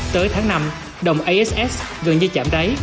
tới tháng năm đồng ass gần như chạm đáy